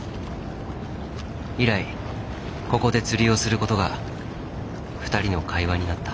以来ここで釣りをする事が２人の会話になった。